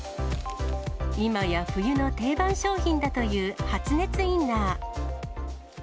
今や冬の定番商品だという発熱インナー。